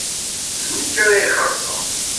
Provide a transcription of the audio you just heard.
D nekk ara ixelṣen.